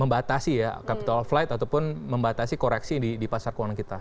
membatasi ya capital flight ataupun membatasi koreksi di pasar keuangan kita